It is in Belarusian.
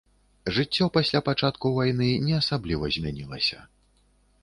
Жыццё пасля пачатку вайны не асабліва змянілася.